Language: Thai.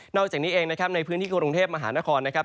อกจากนี้เองนะครับในพื้นที่กรุงเทพมหานครนะครับ